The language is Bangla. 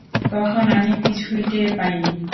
তখন আমি কিছুই টের পাইনি।